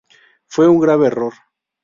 Fue un grave error.